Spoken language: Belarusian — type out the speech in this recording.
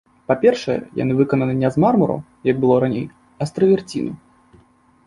Па-першае, яны выкананы не з мармуру, як было раней, а з траверціну.